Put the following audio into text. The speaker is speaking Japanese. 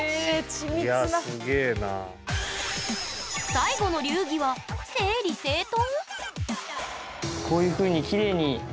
最後の流儀は整理整頓？